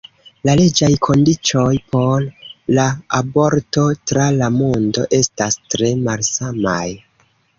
La leĝaj kondiĉoj por la aborto tra la mondo estas tre malsamaj.